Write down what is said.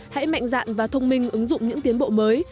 hãy mạnh dạn và thông minh ứng dụng những tiến bộ mới